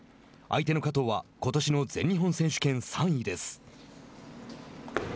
相手の加藤はことしの全日本選手権３位です。